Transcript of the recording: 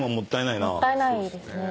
もったいないですね。